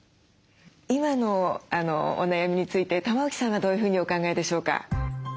今のお悩みについて玉置さんはどういうふうにお考えでしょうか？